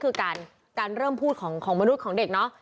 เขาก็จะเรียนแบบนั่นคือการเริ่มพูดของมนุษย์ของเด็กเนอะ